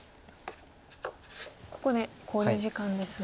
ここで考慮時間ですが。